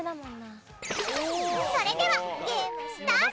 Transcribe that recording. それではゲームスタート！